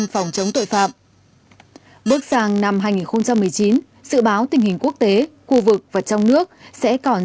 phòng chống tội phạm bước sang năm hai nghìn một mươi chín dự báo tình hình quốc tế khu vực và trong nước sẽ còn